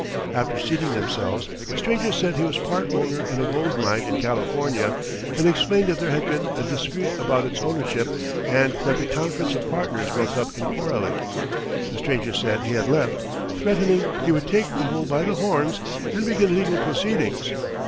After seating themselves, the stranger said he was part owner in a gold mine in California, and explained that there had been a dispute about its ownership and that the conference of partners broke up in quarreling. The stranger said he had left, threatening he would take the bull by the horns and begin legal proceedings.